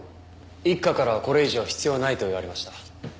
一課からはこれ以上は必要ないと言われました。